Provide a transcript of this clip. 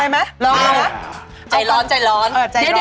ได้ไหมร้อนใจร้อนใจร้อน